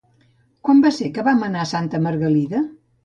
Quan va ser que vam anar a Santa Margalida?